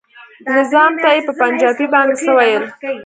ناظم ته يې په پنجابي باندې څه ويل.